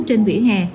trên vỉa hè